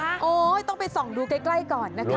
โอ๊ยต้องไปส่องดูใกล้ก่อนนะคะ